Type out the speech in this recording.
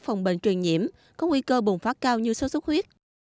phòng bệnh truyền nhiễm có nguy cơ bùng phát cao như sốt sốt huyết